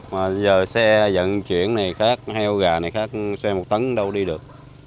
mà giờ xe dẫn chuyển này khác heo gà này khác xe một tấn đâu đi được